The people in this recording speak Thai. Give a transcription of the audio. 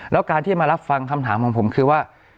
แล้วการที่จะมารับฟังคำถามของผมคือว่า